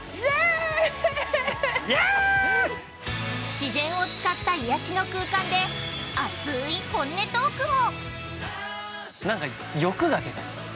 ◆自然を使ったいやしの空間で熱い本音トークも。